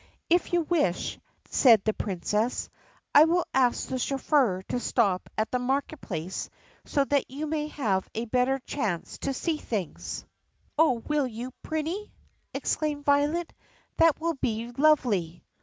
"If you wish," said the Princess, "I will ask the chauffeur to stop at the market place so that you may have a better chance to see things." "Oh, will you, Prinny?" exclaimed Violet. "That will be lovely."